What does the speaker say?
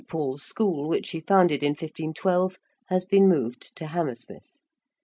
Paul's School, which he founded in 1512, has been moved to Hammersmith.